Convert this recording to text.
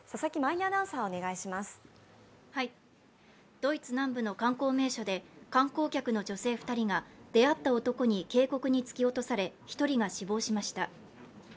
ドイツ南部の観光名所で観光客の女性２人が出会った男に渓谷に突き落とされ１人が死亡しました。